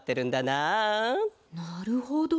なるほど。